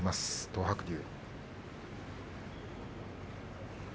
東白龍。